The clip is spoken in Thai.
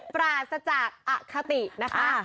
ปราศจากอคตินะคะ